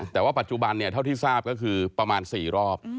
แต่ว่าปัจจุบันเนี่ยเท่าที่ทราบก็คือประมาณ๔รอบ